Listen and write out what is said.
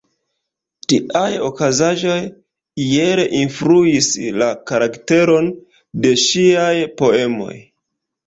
Tiaj okazaĵoj iel influis la karakteron de ŝiaj poemoj.